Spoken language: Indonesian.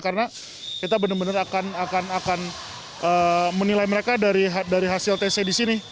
karena kita benar benar akan menilai mereka dari hasil tesnya di sini